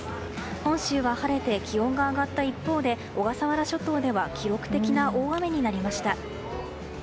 本州は晴れて気温が上がった一方で小笠原諸島では記録的な大雨になりました。